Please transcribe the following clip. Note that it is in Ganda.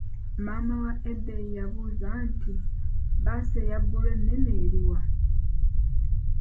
Maama wa Ebei yabuuza nti, bbaasi eyabulu ennene eri wa?